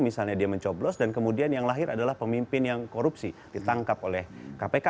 misalnya dia mencoblos dan kemudian yang lahir adalah pemimpin yang korupsi ditangkap oleh kpk